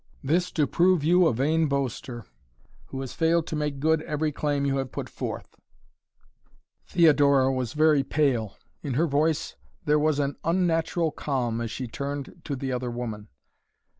This to prove you a vain boaster, who has failed to make good every claim you have put forth " Theodora was very pale. In her voice there was an unnatural calm as she turned to the other woman.